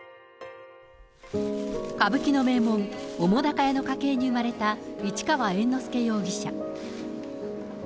歌舞伎の名門、澤瀉屋の家系に生まれた市川猿之助容疑者。